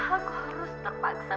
aku harus terpaksa